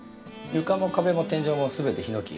床も壁も天井も全てヒノキです。